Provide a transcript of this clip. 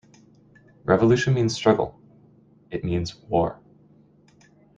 Revolution means struggle: it means war.